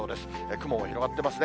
雲も広がってますね。